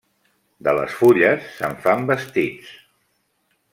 De les fulles se'n fan vestits.